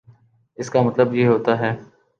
اس کا مطلب یہ ہوتا ہے